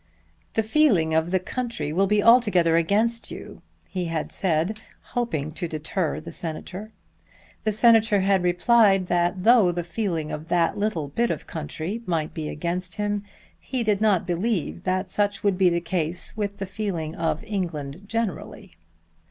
"The feeling of the country will be altogether against you," he had said, hoping to deter the Senator. The Senator had replied that though the feeling of that little bit of the country might be against him he did not believe that such would be the case with the feeling of England generally.